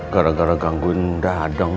gara gara gangguin dadang